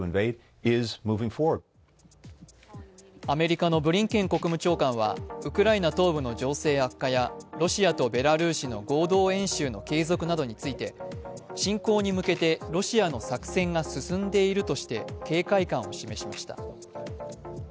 アメリカのブリンケン国務長官はウクライナ東部の情勢悪化やロシアとベラルーシの合同軍事演習の継続などについて侵攻に向けてロシアの作戦が進んでいるとして警戒感を示しました。